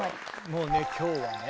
もうね今日はね